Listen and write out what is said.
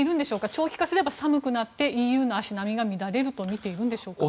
長期化すれば寒くなってＥＵの足並みが乱れると見ているんでしょうか。